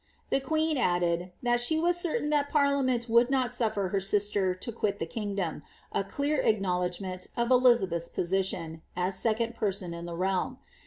The queen added, that she was certain that parliament would not sufler her sister to quit the kingdom — a clear acknowledg ment of Elizabeth^s position, as second person in the realm.